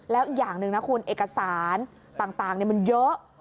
แล้วอย่างหนึ่งนะคุณเอกสารต่างมันเยอะ